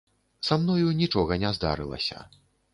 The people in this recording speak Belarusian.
Са мною нічога не здарылася.